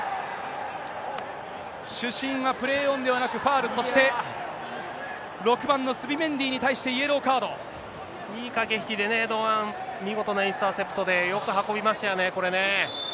主審はプレーオンではなく、ファウル、そして６番のスビメンいい駆け引きでね、堂安、見事なインターセプトでよく運びましたよね、これね。